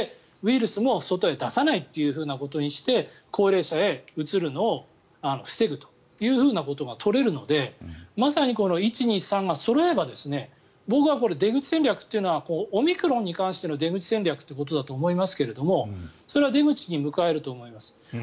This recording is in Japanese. ウイルスも外へ出さないということにして高齢者へうつるのを防ぐということが取れるのでまさに１、２、３がそろえば僕は出口戦略というのはオミクロンに関しての出口戦略ということだと思いますけれどそれは出口に迎えると思います。